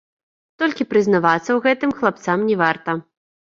Толькі прызнавацца ў гэтым хлапцам не варта.